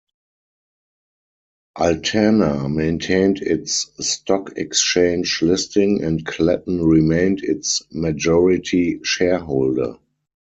Altana maintained its stock exchange listing and Klatten remained its majority shareholder.